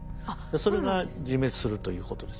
それが自滅するということです。